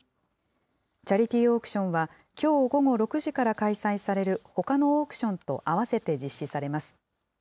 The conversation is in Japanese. チャリティーオークションは、きょう午後６時から開催されるほかのオークションとあわせて実施されます。